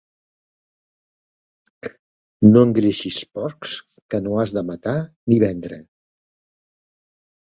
No engreixis porcs que no has de matar ni vendre.